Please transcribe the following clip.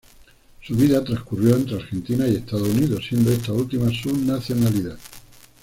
Su vida transcurrió entre Argentina y Estados Unidos, siendo esta última su nacionalidad.